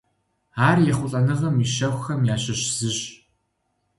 Ар ехъулӀэныгъэм и щэхухэм ящыщ зыщ.